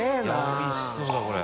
おいしそうだこれ。